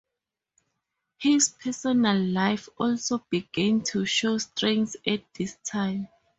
His personal life also began to show strains at this time.